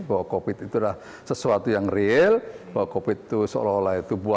bahwa covid sembilan belas itu adalah sesuatu yang real bahwa covid sembilan belas itu seolah olah buatan dan tetembeng eng nya